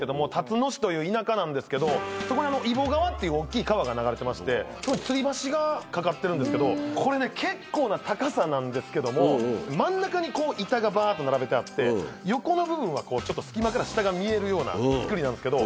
という田舎なんですけどそこに揖保川っていう大っきい川が流れてましてそこにつり橋が架かってるんですけどこれね結構な高さなんですけども真ん中にこう板がばっと並べてあって横の部分はこうちょっと隙間から下が見えるような造りなんですけど。